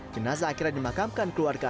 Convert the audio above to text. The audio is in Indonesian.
jenazah akhirnya dimakamkan keluarga